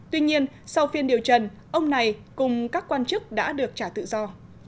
tuy nhiên sau phiên điều trần ông này cùng các quan chức đã được trả tự do